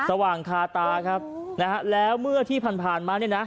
สว่างคาตาครับนะฮะแล้วเมื่อที่ผ่านมาเนี่ยนะ